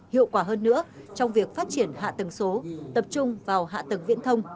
hiệu quả hơn nữa trong việc phát triển hạ tầng số tập trung vào hạ tầng viễn thông